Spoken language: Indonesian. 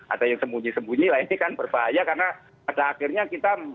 ada yang sembunyi sembunyi lah ini kan berbahaya karena pada akhirnya kita